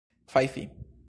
fajfi